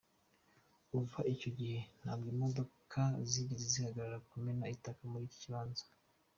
Kuva icyo gihe ntabwo imodoka zigeze zihagarara kumena itaka muri iki kibanza.